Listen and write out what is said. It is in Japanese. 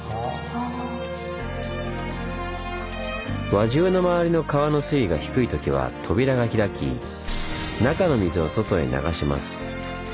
輪中の周りの川の水位が低いときは扉が開き中の水を外へ流します。